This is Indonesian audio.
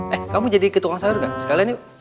eh kamu jadi ke tukang sayur gak sekalian yuk